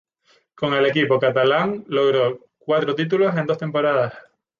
Con el equipo catalán logró cuatro títulos en dos temporadas.